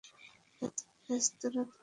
বেরেস্তা তুলে রাখুন।